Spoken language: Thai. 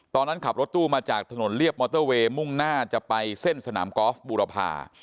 ตอนนั้นขับรถตู้มาจากถนนเรียบมอเตอร์เวย์มุ่งหน้าจะไปเส้นสนามกอล์ฟบูรพา